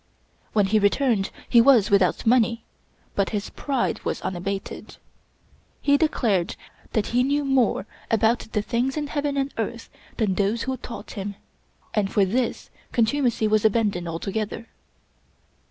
When he returned he was without money, but his pride was unabated. He declared that he knew more about the things in heaven and earth than thpse who taught him, and for this contumacy was abandoned altogether.